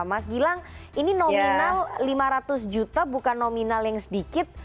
mas gilang ini nominal lima ratus juta bukan nominal yang sedikit